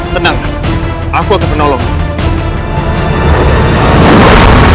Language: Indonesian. tenang aku akan menolongmu